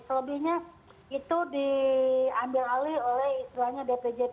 selebihnya itu diambil alih oleh istilahnya dpjt